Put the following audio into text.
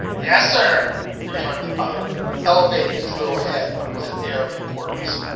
"Yes, sir," returned other, elevating his little head with an air of importance.